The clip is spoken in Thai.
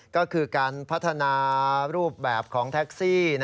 ก็คือการพัฒนารูปแบบของแท็กซี่